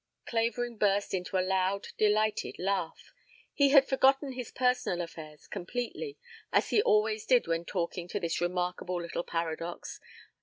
Clavering burst into a loud delighted laugh. He had forgotten his personal affairs completely, as he always did when talking to this remarkable little paradox.